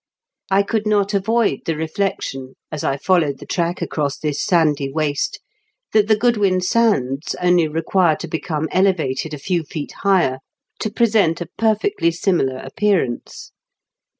I could not avoid the reflection, as I followed the track across this sandy waste, that the Goodwin Sands only require to become elevated a few feet higher to present a perfectly similar appearance.